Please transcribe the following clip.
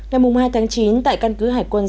ngày hai tháng chín tại căn cứ hải quân